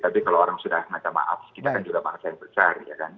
tapi kalau orang sudah minta maaf kita kan juga bangsa yang besar ya kan